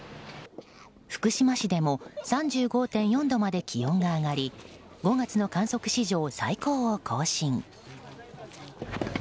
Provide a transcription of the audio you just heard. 福島市でも３５．４度まで気温が上がり５月の観測史上最高を更新。